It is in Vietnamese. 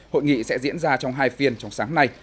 hội nghị sẽ diễn ra trong hai phiên trong sáng nay